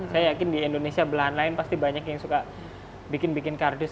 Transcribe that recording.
saya yakin di indonesia belahan lain pasti banyak yang suka bikin bikin kardus